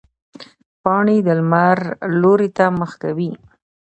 پاڼې د لمر لوري ته مخ کوي